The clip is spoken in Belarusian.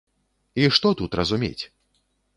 І што тут разумець?